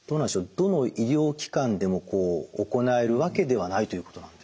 どの医療機関でも行えるわけではないということなんですか？